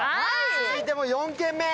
続いて４軒目。